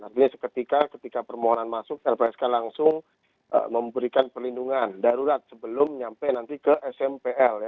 artinya ketika permohonan masuk lpsk langsung memberikan perlindungan darurat sebelum sampai nanti ke smpl